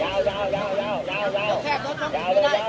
อย่าเพิ่งอย่าเพิ่งขอเข้าไปนะครับ